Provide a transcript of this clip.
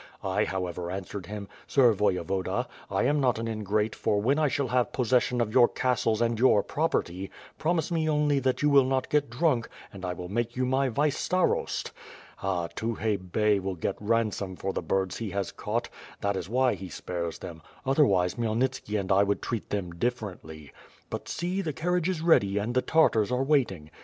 I however answered him: 'Sir Voyevoda, 1 am not an ingrate for when I shall have possession of your castles and your property — promise me only that you will not get drunk — ^and I will make you my vice starost!' Ha, Tukhay Bey will get ransom for the birds he has caught — that is why he spares them, otherwise Khmyelnitski and I would treat them differently. But see, the carriage is ready and the Tartars are waiting.